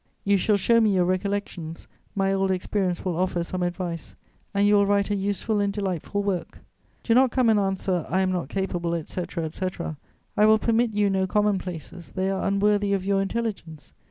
"You shall show me your 'Recollections;' my old experience will offer some advice, and you will write a useful and delightful work. Do not come and answer, 'I am not capable,' etc., etc. I will permit you no commonplaces; they are unworthy of your intelligence.